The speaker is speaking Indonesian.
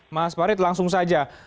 mas parit langsung saja